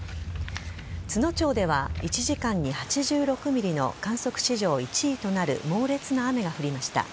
都農町では１時間に８６ｍｍの観測史上１位となる猛烈な雨が降りました。